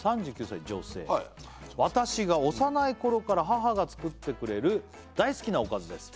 ３９歳女性はい「私が幼い頃から母が作ってくれる」「大好きなおかずです」